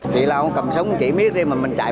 chỉ là không cầm súng chỉ biết đi mà mình chạy